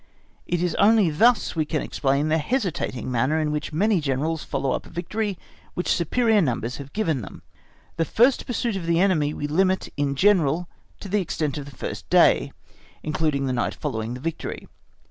It is only thus we can explain the hesitating manner in which many Generals follow up a victory which superior numbers have given them. The first pursuit of the enemy we limit in general to the extent of the first day, including the night following the victory.